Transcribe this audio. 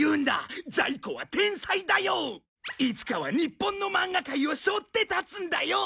いつかは日本のまんが界を背負って立つんだよ！